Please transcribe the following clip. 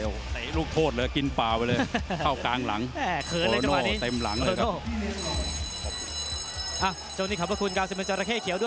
เตะลูกโทษเลยกินป่าไว้เลย